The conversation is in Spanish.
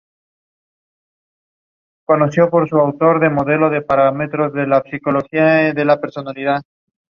La Garrocha contrasta con las comarcas vecinas por su elevada pluviosidad.